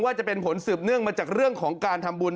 จะเป็นผลสืบเนื่องมาจากเรื่องของการทำบุญ